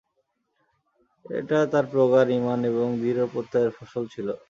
এটা তাঁর প্রগাঢ় ঈমান এবং দৃঢ় প্রত্যয়ের ফসল ছিল।